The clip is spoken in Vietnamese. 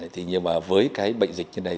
thì nhưng mà với cái bệnh dịch như này